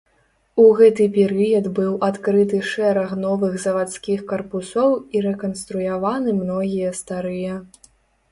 У гэты перыяд быў адкрыты шэраг новых завадскіх карпусоў і рэканструяваны многія старыя.